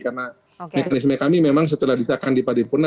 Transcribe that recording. karena mekanisme kami memang setelah disahkan di paripurna